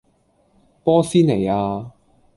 波斯尼亞